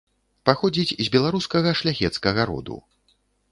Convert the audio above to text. Паходзіць з беларускага шляхецкага роду.